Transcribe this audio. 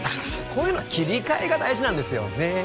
こういうのは切り替えが大事なんですよねっ？